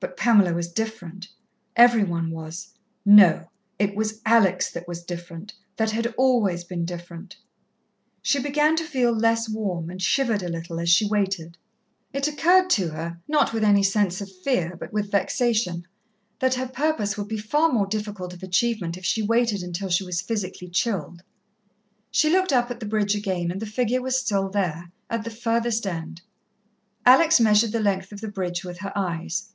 But Pamela was different. Every one was No! It was Alex that was different that had always been different. She began to feel less warm, and shivered a little as she waited. It occurred to her, not with any sense of fear, but with vexation, that her purpose would be far more difficult of achievement if she waited until she was physically chilled. She looked up at the bridge again, and the figure was still there, at the furthest end. Alex measured the length of the bridge with her eyes.